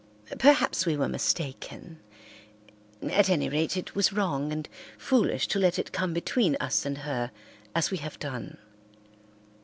Perhaps we were mistaken; at any rate it was wrong and foolish to let it come between us and her as we have done.